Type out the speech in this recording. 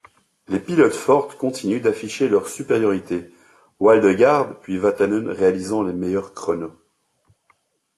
Les pilotes Ford continuent d'afficher leur supériorité, Waldegård puis Vatanen réalisant les meilleurs chronos.